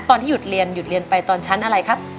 ตอนที่หยุดเรียนหยุดเรียนไปตอนชั้นอะไรครับ